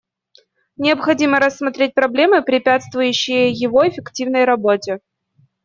Необходимо рассмотреть проблемы, препятствующие его эффективной работе.